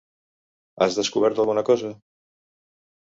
Has descobert alguna cosa?